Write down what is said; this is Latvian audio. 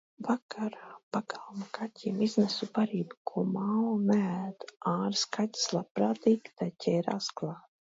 Vakarā pagalma kaķiem iznesu barību, ko Mao neēd. Āras kaķis labprātīgi tai ķērās klāt.